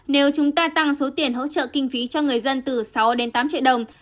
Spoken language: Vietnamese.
nếu chúng ta tăng số tiền hỗ trợ kinh phí cho người dân từ sáu đến tám triệu đồng